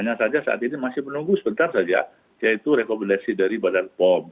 hanya saja saat ini masih menunggu sebentar saja yaitu rekomendasi dari badan pom